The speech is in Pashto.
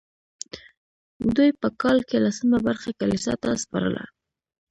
دوی په کال کې لسمه برخه کلیسا ته سپارله.